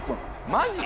マジ？